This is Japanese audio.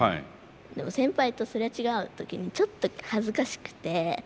でも先輩とすれ違う時にちょっと恥ずかしくて。